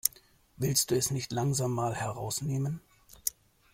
Willst du es nicht langsam mal herausnehmen?